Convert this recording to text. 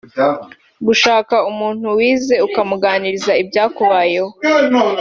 Gushaka umuntu wizeye ukamuganiriza ibyakubayeho